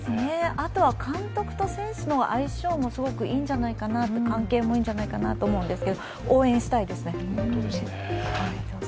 あとは監督と選手の相性もすごくいいんじゃないかな、関係もいいんじゃないかなと思うんですけど応援したいですね。